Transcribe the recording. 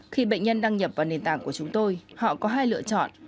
khi bệnh nhân đăng nhập vào nền tảng của chúng tôi họ có hai lựa chọn